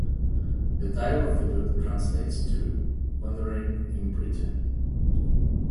The title of the book translates to "Wandering in Britain".